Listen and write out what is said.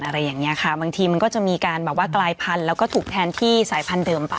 อะไรอย่างนี้ค่ะบางทีมันก็จะมีการแบบว่ากลายพันธุ์แล้วก็ถูกแทนที่สายพันธุเดิมไป